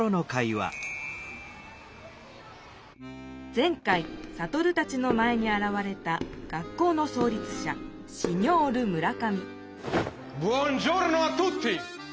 前回サトルたちの前にあらわれた学校のそう立しゃシニョール村上